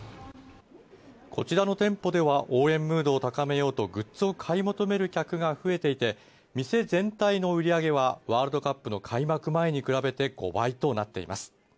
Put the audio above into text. こちらの店舗では応援ムードを高めようとグッズを買い求める客が増えていて店全体の売り上げはワールドカップの開幕前に比べて５倍となっています。